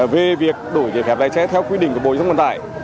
về việc đổi giải phép đại trẻ theo quy định của bộ dân vận tải